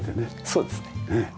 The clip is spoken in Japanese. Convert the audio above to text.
そうですね。